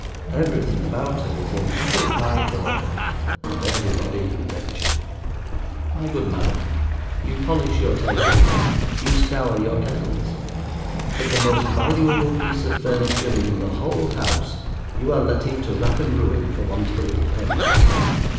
Everything about her is in apple pie order, and everybody wretched. My good Madam, you polish your tables, you scour your kettles, but the most valuable piece of furniture in the whole house you are letting to rack and ruin for want of a little pains.